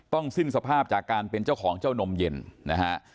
สิ้นสภาพจากการเป็นเจ้าของเจ้านมเย็นนะฮะ